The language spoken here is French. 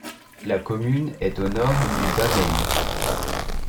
La commune est au nord du Bas-Maine.